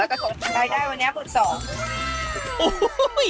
แค่ได้วันนี้๑๒๐๐๐